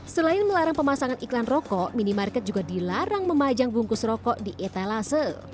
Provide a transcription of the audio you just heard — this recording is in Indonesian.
selain melarang pemasangan iklan rokok minimarket juga dilarang memajang bungkus rokok di etalase